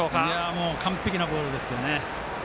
もう完璧なボールですよね。